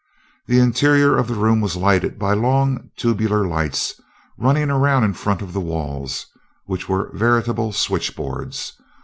The interior of the room was lighted by long, tubular lights running around in front of the walls, which were veritable switchboards.